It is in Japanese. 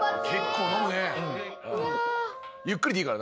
ゆっくりでいいからな。